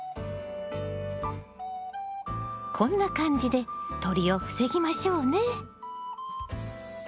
こんな感じで鳥を防ぎましょうね。